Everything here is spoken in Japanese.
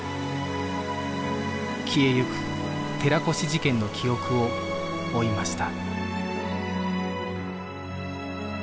消えゆく「寺越事件」の記憶を追いました